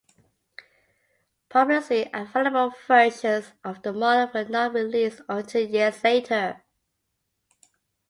Publicly available versions of the model were not released until years later.